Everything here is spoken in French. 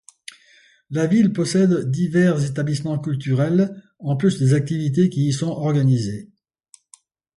La ville possède divers établissements culturels en plus des activités qui y sont organisées.